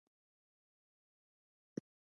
افغانستان د شهیدانو هیواد دی